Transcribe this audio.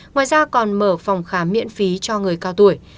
ngoài ra còn mở phòng khám miễn phí cho người cao tuổi